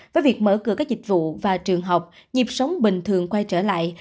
với việc mở cửa các dịch vụ và trường học nhịp sống bình thường quay trở lại